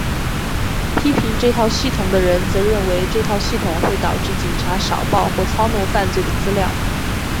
批评这套系统的人则认为这套系统会导致警察少报或操弄犯罪的资料。